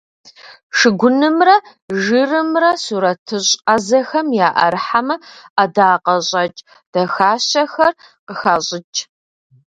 Шыгунымрэ жырымрэ сурэтыщӀ Ӏэзэхэм яӀэрыхьэмэ, ӀэдакъэщӀэкӀ дахащэхэр къыхащӀыкӀ.